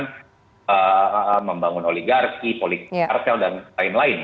tapi dia juga menunjukkan membangun oligarki politik kartel dan lain lain